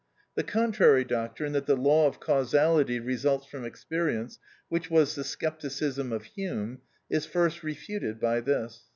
The contrary doctrine that the law of causality results from experience, which was the scepticism of Hume, is first refuted by this.